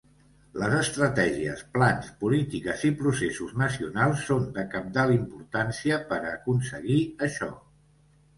Les estratègies, plans, polítiques i processos nacionals són de cabdal importància per a aconseguir això.